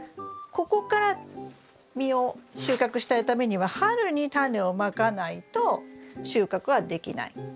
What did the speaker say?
ここから実を収穫したいためには春にタネをまかないと収穫はできない。